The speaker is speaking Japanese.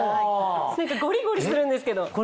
何かゴリゴリするんですけど。